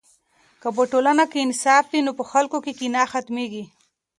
که په ټولنه کې انصاف وي نو په خلکو کې کینه ختمېږي.